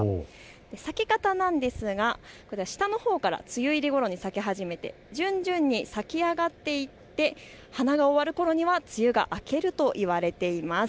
咲き方なんですが下のほうから梅雨入りごろに咲き始めてじゅんじゅんに咲き上がっていって花が終わるころには梅雨が明けるといわれています。